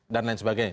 dan lain sebagainya